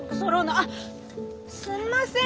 あっすんません